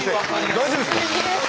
大丈夫ですか？